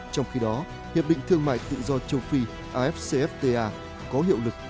trong khi đó hiệp định thương mại tự do châu phi afcfta có hiệu lực